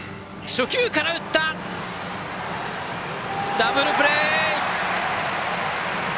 ダブルプレー。